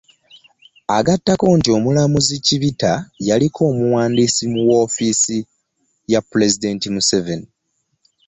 Agattako nti Omulamuzi Chibita yaliko omuwandiisi mu woofiisi ya Pulezidenti Museveni